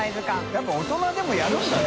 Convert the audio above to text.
笋辰大人でもやるんだね。